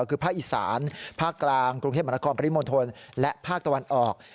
คือภาคอีสานภาคกลางกรุงเทพมนาคมปริมณฑลและภาคตะวันออก